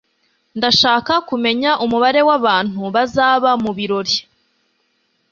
ndashaka kumenya umubare wabantu bazaba mubirori